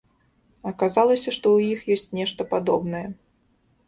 Аказалася, што ў іх ёсць нешта падобнае.